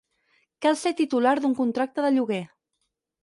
Cal ser titular d'un contracte de lloguer.